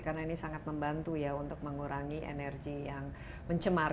karena ini sangat membantu ya untuk mengurangi energi yang mencembur